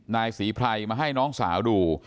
นายสวิพัยมาให้น้องสาวดู